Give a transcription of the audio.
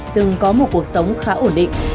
từng có một cuộc sống khá ổn định